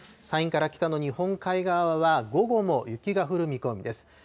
山陰から北の日本海側は午後も雪が降る見込みです。